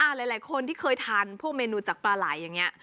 อ่าหลายหลายคนที่เคยทานพวกเมนูจากปลาไหล่อย่างเงี้ย